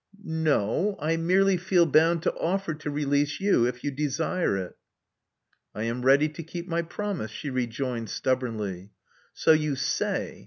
"No. I merely feel bound to offer to release you if you desire it. " "I am ready to keep my promise," she rejoined stubbornly. "So you say.